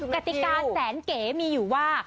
กติกาแสนเก๋มีอยู่ว่า